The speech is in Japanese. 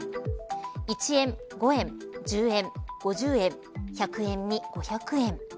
１円、５円１０円、５０円１００円に５００円。